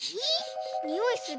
においする？